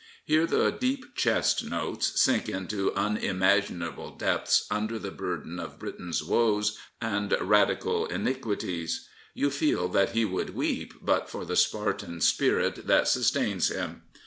nFTear the deep chest notes sink into unimaginable depths under the burden of Britain's woes and Radical iniquities. You feel that he would weep but for the Spartan spirit that sustains him.